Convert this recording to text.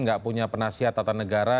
nggak punya penasihat tata negara